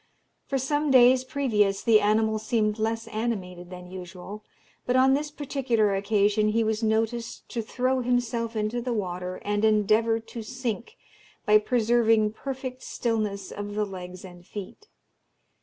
For some days previous the animal seemed less animated than usual, but on this particular occasion he was noticed to throw himself into the water and endeavour to sink by preserving perfect stillness of the legs and feet.